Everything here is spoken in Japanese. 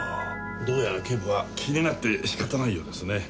どうやら警部は気になって仕方ないようですね。